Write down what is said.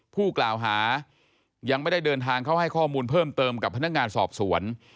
ผู้กล่าวหายังไม่ได้เดินทางเข้าให้ข้อมูลเพิ่มเติมกับพนักงานสอบสวน